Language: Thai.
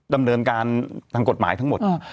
ดำเนินการทางกฎหมายทั้งหมด